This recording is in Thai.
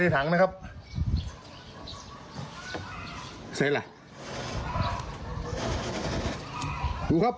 ตัวอะไรครับ